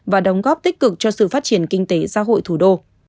và đóng góp tích cực cho sự phát triển kinh tế xã hội thủ đô